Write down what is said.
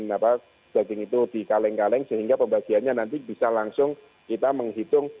nah daging itu dikaleng kaleng sehingga pembagiannya nanti bisa langsung kita menghitung